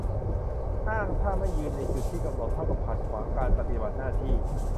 อ้างถ้าไม่ยืนในจุดที่กำหนดเท่ากับขัดขวางการปฏิบัติหน้าที่